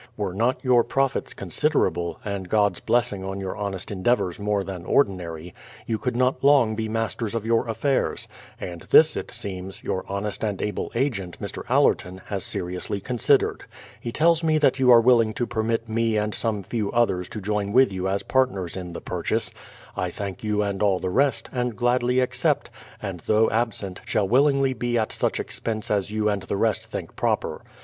Were not your profits considerable, and God's blessing on your honest en deavours more than ordinary, you could not long be masters of your ^flfairs. And this, it seems, your honest and able agent, Mr. Aller 188 THE PLYMOUTH SETTLEMENT 189 Hon, has seriously considered. He tells me that you are willing to permit me and some few others to join with you as partners in the purchase; I thank you and all the rest, and gladly accept, and though absent, shall willingly be at such expense as you and the rest think proper.